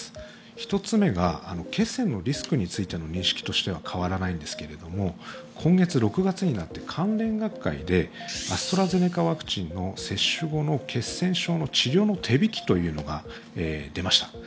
１つ目が、血栓のリスクについての認識としては変わらないんですが今月になって、関連学会でアストラゼネカワクチンの接種後の血栓の治療の手引きというのが出ました。